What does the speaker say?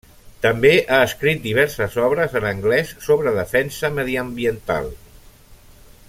També ha escrit diverses obres en anglès sobre defensa mediambiental.